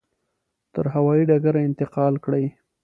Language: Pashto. تر هوایي ډګره انتقال کړي.